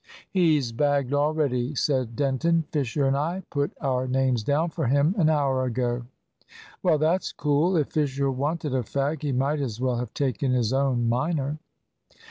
"He's bagged already," said Denton. "Fisher and I put our names down for him an hour ago." "Well, that's cool. If Fisher wanted a fag he might as well have taken his own minor."